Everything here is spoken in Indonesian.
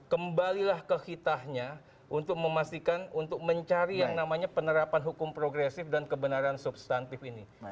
kembalilah ke hitahnya untuk memastikan untuk mencari yang namanya penerapan hukum progresif dan kebenaran substantif ini